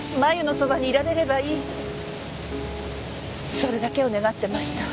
それだけを願ってました。